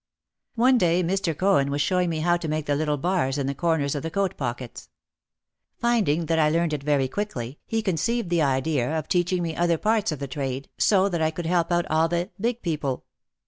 One day Mr. Cohen was showing me how to make the little bars in the corners of the coat pockets. Finding that I learned it very quickly, he conceived the idea of teaching me other parts of the trade so that I could help out all the "big" people.